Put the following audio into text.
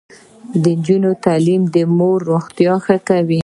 د نجونو تعلیم د مور روغتیا ښه کوي.